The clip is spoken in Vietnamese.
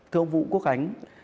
thưa ông vũ quốc ánh